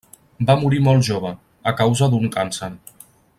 Va morir molt jove, a causa d'un càncer.